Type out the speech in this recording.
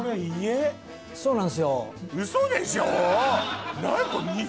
そうなんすよ。